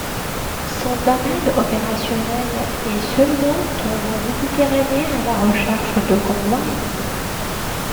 Son domaine opérationnel est seulement dans la Méditerranée à la recherche de convois ennemis.